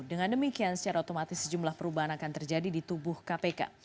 dengan demikian secara otomatis sejumlah perubahan akan terjadi di tubuh kpk